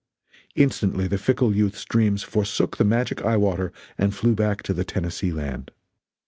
Instantly the fickle youth's dreams forsook the magic eye water and flew back to the Tennessee Land.